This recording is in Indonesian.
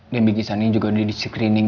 dan bingki sani juga didiskrining